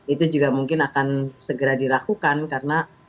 itu juga mungkin akan segera dilakukan karena